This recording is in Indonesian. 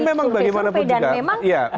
sufe sufe dan memang berindera